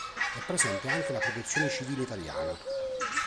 È presente anche la Protezione Civile Italiana.